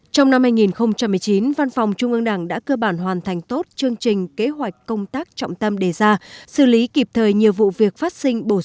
trong năm hai nghìn một mươi chín văn phòng trung ương đảng đã cơ bản hoàn thành tốt chương trình kế hoạch công tác trọng tâm đề ra xử lý kịp thời nhiều vụ việc phát sinh bổ sung